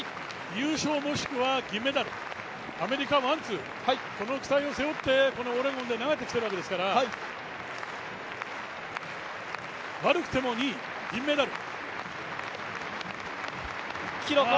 優勝もしくは銀メダル、アメリカ１・２、この期待を背負ってオレゴンで投げてきているわけですから悪くても２位、銀メダル。